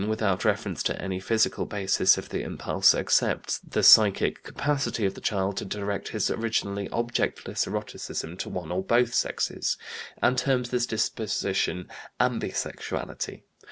119), without reference to any physical basis of the impulse, accepts "the psychic capacity of the child to direct his originally objectless eroticism to one or both sexes," and terms this disposition ambisexuality.